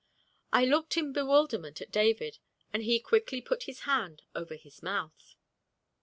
I looked in bewilderment at David, and he quickly put his hand over his mouth.